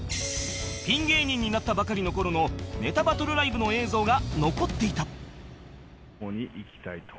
ピン芸人になったばかりの頃のネタバトルライブの映像が残っていた